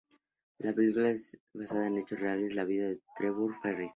La película se basa en hechos reales de la vida de Trevor Ferrell.